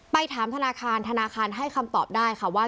ถามธนาคารธนาคารให้คำตอบได้ค่ะว่า